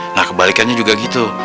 nah kebalikannya juga gitu